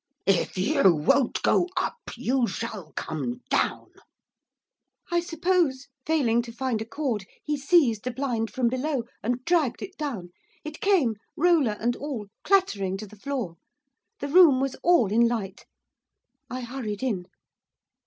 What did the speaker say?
'If you won't go up, you shall come down.' I suppose, failing to find a cord, he seized the blind from below, and dragged it down, it came, roller and all, clattering to the floor. The room was all in light. I hurried in.